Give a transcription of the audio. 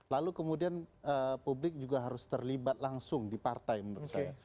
lalu kemudian publik juga harus terlibat langsung di partai menurut saya